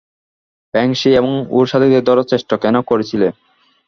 Feng shui এবং ওর সাথীদের ধরার চেষ্টা কেন করছিলে?